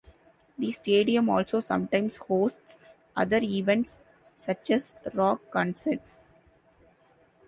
The stadium also sometimes hosts other events such as rock concerts.